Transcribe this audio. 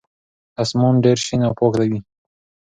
اسمان ډېر شین او پاک و.